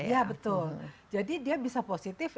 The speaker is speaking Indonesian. ya betul jadi dia bisa positif